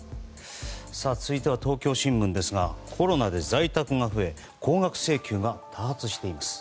続いては東京新聞ですがコロナで在宅が増え高額請求が多発しています。